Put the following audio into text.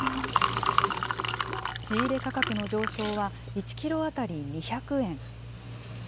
仕入れ価格の上昇は、１キロ当たり２００円。